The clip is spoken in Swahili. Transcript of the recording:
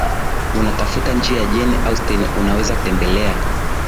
unatafuta njia ya Jane Austen unaweza kutembelea